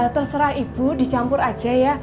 terserah ibu dicampur aja ya